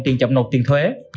tiền chậm nộp tiền thuế